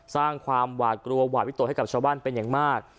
สร้างความหวาดกลัวหวาดวิตกให้กับชาวบ้านเป็นอย่างมาก